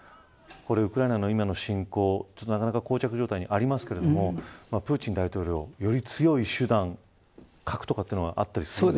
ウクライナの今の侵攻、なかなかこう着状態にありますけどプーチン大統領、より強い手段核とかというのはあったりするんですか。